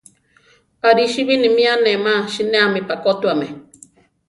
Arí si bi ni mi anéma, sinéami pakótuame.